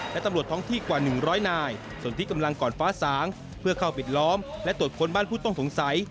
และตำรวจท้องที่กว่า๑๐๐นายส่วนที่กำลังก่อนฟ้าสางเพื่อเข้าปิดล้อมและตรวจค้นบ้านผู้ต้องสงสัย